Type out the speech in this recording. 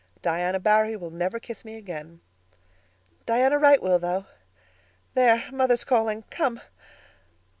Diana Barry will never kiss me again." "Diana Wright will, though. There, mother's calling. Come."